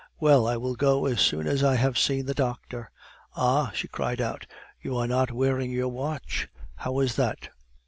Well, I will go as soon as I have seen the doctor. Ah!" she cried out, "you are not wearing your watch, how is that?"